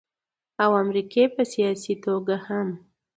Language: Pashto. او امريکې په سياسي توګه هم